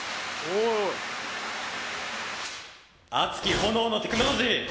熱き炎のテクノロジー！